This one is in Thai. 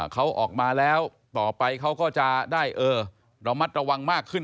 เขาออกมาแล้วต่อไปเขาก็จะได้ระมัดระวังมากขึ้น